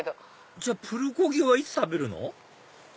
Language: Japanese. じゃあプルコギはいつ食べるの？